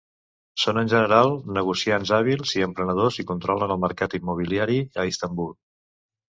Són en general negociants hàbils i emprenedors i controlen el mercat immobiliari a Istanbul.